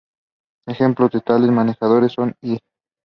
Ejemplos de tales manejadores son y.